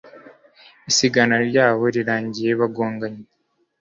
Isiganwa ryabo rirangiye bagonganye